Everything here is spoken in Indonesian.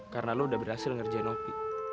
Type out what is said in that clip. karena lo udah berhasil ngerjain opi